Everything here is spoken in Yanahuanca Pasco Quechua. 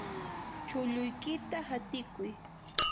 chulluykita hatikuy.